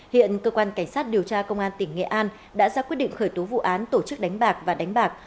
hiện cơ quan cảnh sát điều tra công an tỉnh nghệ an đã ra quyết định khởi tố vụ án tổ chức đánh bạc và đánh bạc